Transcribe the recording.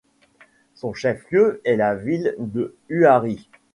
Son chef-lieu est la ville de Huari.